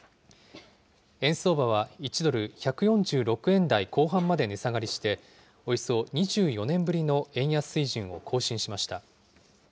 円相場は１ドル１４６円台後半まで値下がりして、およそ２４年ぶりの円安水準を更新しました。